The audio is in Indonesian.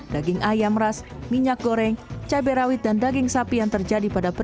daging ayam ras minyak goreng cabai rawit dan daging sapi yang terjadi pada